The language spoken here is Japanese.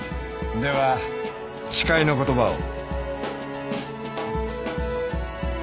では誓いの言葉を。